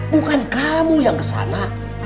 bukan kamu yang kesana